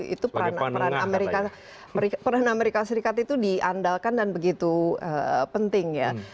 itu peran amerika serikat itu diandalkan dan begitu penting ya